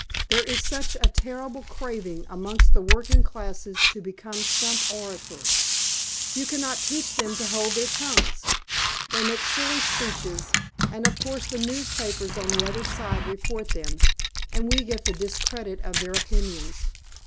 There is such a terrible craving amongst the working classes to become stump orators. You cannot teach them to hold their tongues. They make silly speeches, and of course the newspapers on the other side report them, and we get the discredit of their opinions.